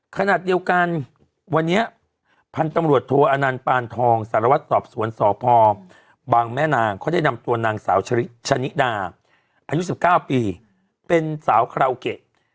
ขณะเดียวกันวันนี้พันธุ์ตำรวจโทอนันต์ปานทองสารวัตรสอบสวนสพบางแม่นางเขาได้นำตัวนางสาวชะนิดาอายุ๑๙ปีเป็นสาวคาราโอเกะ